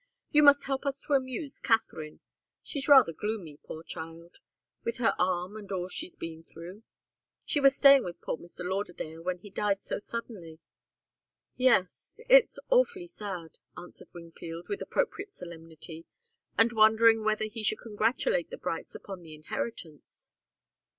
You must help us to amuse Katharine. She's rather gloomy, poor child with her arm, and all she's been through. She was staying with poor Mr. Lauderdale when he died so suddenly." "Yes it's awfully sad," answered Wingfield, with appropriate solemnity, and wondering whether he should congratulate the Brights upon the inheritance.